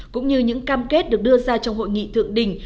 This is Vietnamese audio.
cũng như những cam kết được đưa ra trong hội nghị thượng đỉnh